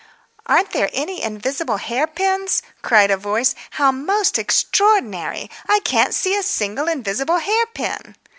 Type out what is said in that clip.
"Aren't there any invisible hair pins?" cried a voice. "How most extraordinary! I can't see a single invisible hair pin."